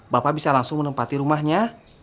bapak bisa langsung menempati rumahnya